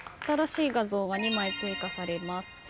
新しい画像が２枚追加されます。